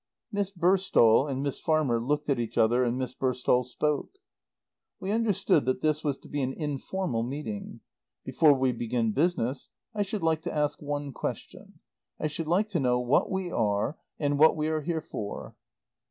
Miss Burstall and Miss Farmer looked at each other and Miss Burstall spoke. "We understood that this was to be an informal meeting. Before we begin business I should like to ask one question. I should like to know what we are and what we are here for?"